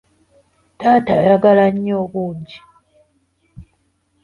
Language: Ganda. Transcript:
Taata ayagala nnyo obuugi.